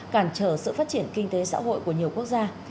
cản trở sự phát triển kinh tế xã hội của nhiều quốc gia